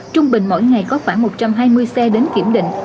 trung bình mỗi ngày có khoảng một trăm hai mươi xe đến kiểm định